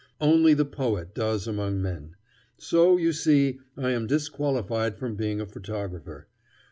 Only the poet does among men. So, you see, I am disqualified from being a photographer.